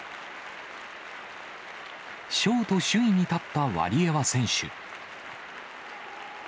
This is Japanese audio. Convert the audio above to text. ショート首位に立ったワリエワ選手。